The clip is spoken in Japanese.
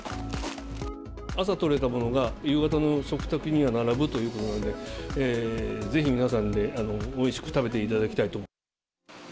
朝取れたものが、夕方の食卓には並ぶということなんで、ぜひ皆さんでおいしく食べていただきたいと。